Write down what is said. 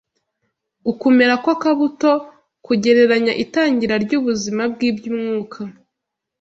Ukumera kw’akabuto kugereranya itangira ry’ubuzima bw’iby’umwuka